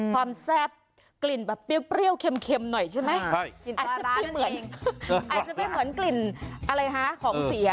ความแซ่บกลิ่นแบบเปรี้ยวเค็มเค็มหน่อยใช่ไหม